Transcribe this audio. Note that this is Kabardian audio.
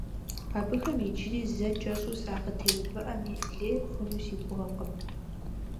Абыхэм иджыри зэ кӀэщӀу сакъытеувыӀэми лей хъуну си гугъэкъым.